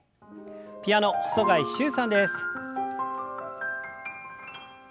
ピアノ細貝柊さんです。